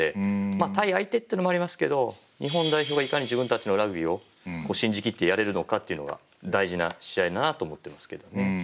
対相手ってのもありますけど日本代表がいかに自分たちのラグビーを信じ切ってやれるのかっていうのが大事な試合だなと思ってますけどね。